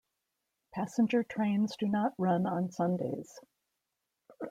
Passenger trains do not run on Sundays.